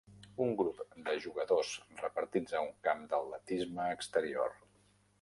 Un grup de jugadors repartits a un camp d'atletisme exterior.